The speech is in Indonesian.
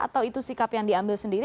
atau itu sikap yang diambil sendiri